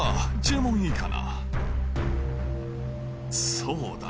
そうだな。